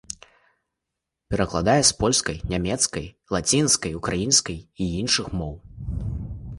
Перакладае з польскай, нямецкай, лацінскай, украінскай і іншых моў.